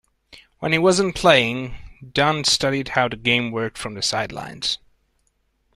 When he wasn't playing, Dunn studied how the game worked from the sidelines.